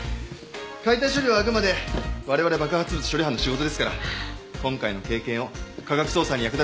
解体処理はあくまで我々爆発物処理班の仕事ですから今回の経験を科学捜査に役立ててください。